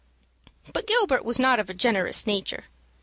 But Gilbert was not of a generous nature.